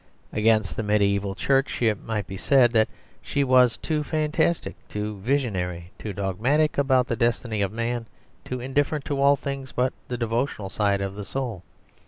Against the mediæval Church it might be said that she was too fantastic, too visionary, too dogmatic about the destiny of man, too indifferent to all things but the devotional side of the soul.